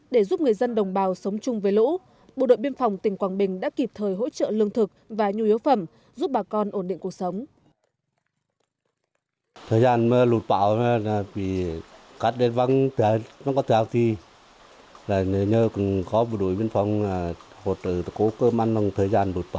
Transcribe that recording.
để giúp người dân đồng bào sống chung với lũ bộ đội biên phòng tỉnh quảng bình đã kịp thời hỗ trợ lương thực và nhu yếu phẩm giúp bà con ổn định cuộc sống